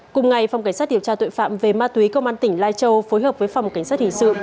cùng ngày phòng cảnh sát điều tra tội phạm về ma túy công an tỉnh lai châu phối hợp với phòng cảnh sát hình sự